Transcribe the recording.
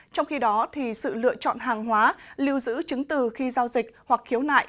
trong khi đó sự lựa chọn hàng hóa lưu giữ chứng từ khi giao dịch hoặc khiếu nại